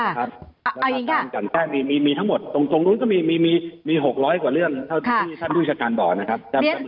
เอาอีกค่ะมีทั้งหมดตรงตรงนู้นก็มีมีหกร้อยกว่าเรื่องเท่าที่ท่านผู้จัดการบอกนะครับ